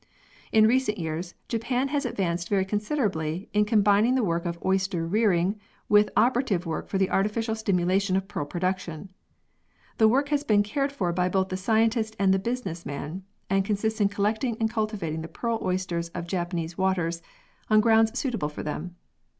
In recent years Japan has advanced very con siderably in combining the work of oyster rearing with operative work for the artificial stimulation of pearl production. The work has been cared for by both the scientist and the business man, and con sists in collecting and cultivating the pearl oysters of Japanese waters, on grounds suitable for them.